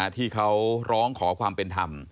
ที่เขาร้องขอความเป็นธรรม